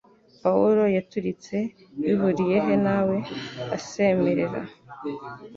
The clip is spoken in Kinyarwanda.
Pawulo yaturitse 'Bihuriye he nawe?' asemerera